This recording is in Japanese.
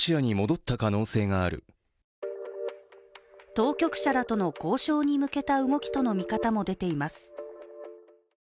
当局者らとの交渉に向けた動きとの見方も出ています。